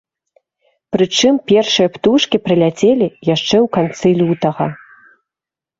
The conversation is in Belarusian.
Прычым першыя птушкі прыляцелі яшчэ ў канцы лютага.